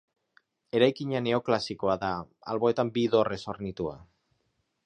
Eraikina neoklasikoa da, alboetan bi dorrez hornitua.